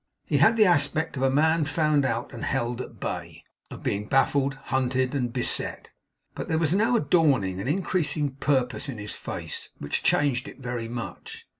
He had the aspect of a man found out and held at bay; of being baffled, hunted, and beset; but there was now a dawning and increasing purpose in his face, which changed it very much.